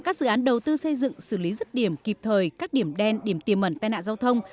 các dự án đầu tư xây dựng xử lý rứt điểm kịp thời các điểm đen điểm tiềm mẩn tai nạn giao thông